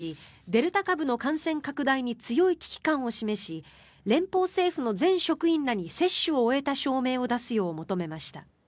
バイデン大統領は２９日デルタ株の感染拡大に強い危機感を示し連邦政府の全職員らに接種を終えた証明を出すよう求めました。